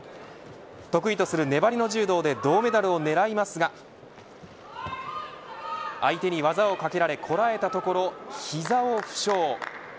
得意とする粘りの柔道で銅メダルを狙いますが相手に技をかけられこらえたところ膝を負傷。